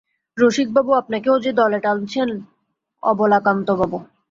রসিকবাবু আপনাকেও যে দলে টানছেন অবলাকান্তবাবু!